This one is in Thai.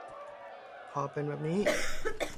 พอเป็นแบบนี้